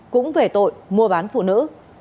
cũng về tội mua bán phụ nữ